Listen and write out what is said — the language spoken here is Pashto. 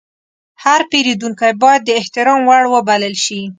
هر پیرودونکی باید د احترام وړ وبلل شي.